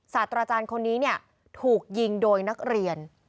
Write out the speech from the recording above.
ศาสตราจารย์คนนี้เนี่ยถูกยิงโดยนักเรียน